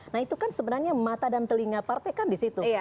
nah itu kan sebenarnya mata dan telinga partai kan di situ